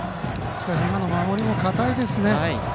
守りも堅いですね。